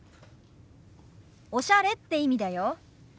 「おしゃれ」って意味だよ。